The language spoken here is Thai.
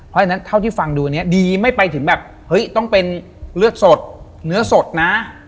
เพราะฉะนั้นเท่าที่ฟังดูอันนี้ดีไม่ไปถึงแบบเฮ้ยต้องเป็นเลือดสดเนื้อสดนะ